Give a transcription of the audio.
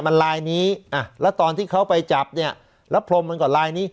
มันลายนี้แล้วตอนที่เขาไปจับเนี่ยแล้วพรมมันก็ลายนี้